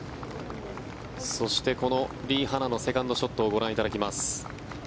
そして、このリ・ハナのセカンドショットをご覧いただきます。